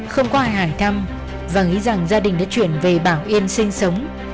không có ai hỏi thăm và nghĩ rằng gia đình đã chuyển về bảo yên sinh sống